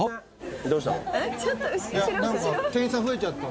どうしたの？